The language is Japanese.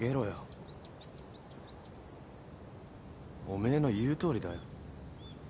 おめえの言うとおりだよ。